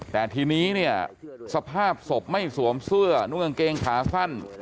แต่ทีนี้เนี่ยสภาพศพไม่สวมเสื้อนุ่งกางเกงขาสั้น